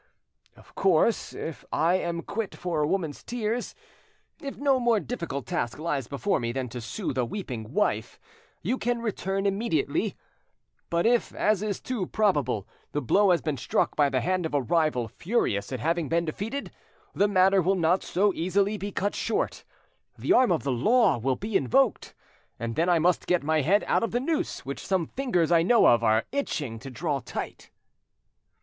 Of course if I am quit for a woman's tears, if no more difficult task lies before me than to soothe a weeping wife, you can return immediately; but if, as is too probable, the blow has been struck by the hand of a rival furious at having been defeated, the matter will not so easily be cut short; the arm of the law will be invoked, and then I must get my head out of the noose which some fingers I know of are itching to draw tight."